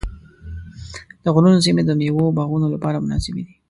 د غرونو سیمې د مېوو باغونو لپاره مناسبې دي.